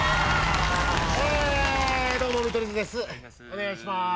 お願いします。